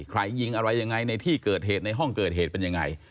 ใครยิงอะไรยังไงในที่เกิดเหตุในห้องเกิดเหตุเป็นยังไง